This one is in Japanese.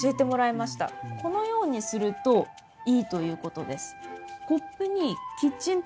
このようにするといいということです。